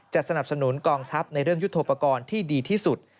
สนับสนุนกองทัพในเรื่องยุทธโปรกรณ์ที่ดีที่สุด